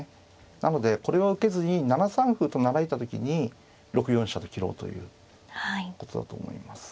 なのでこれを受けずに７三歩と成られた時に６四飛車と切ろうということだと思います。